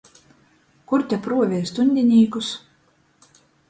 Kur te pruovej stuņdinīkus?